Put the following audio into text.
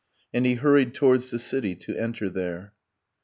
. And he hurried towards the city, to enter there.